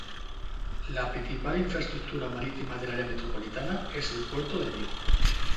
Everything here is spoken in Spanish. La principal infraestructura marítima del área metropolitana es el Puerto de Vigo.